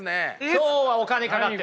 今日はお金かかってます。